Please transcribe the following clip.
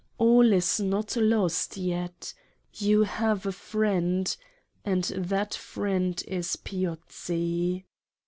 — All is not lost yet You have a friend, and that Friend is Piozzi.